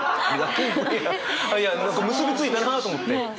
いや何か結び付いたなと思って。